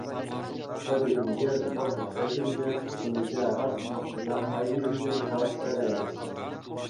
Пӗррехинче сборка цехӗнче темиҫе араб машина хакӗ ҫинчен калаҫса кайрӗҫ.